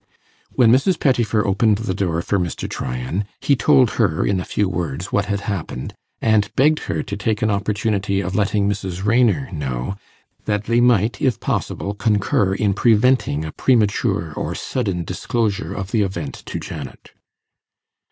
When Mrs. Pettifer opened the door for Mr. Tryan, he told her in a few words what had happened, and begged her to take an opportunity of letting Mrs. Raynor know, that they might, if possible, concur in preventing a premature or sudden disclosure of the event to Janet.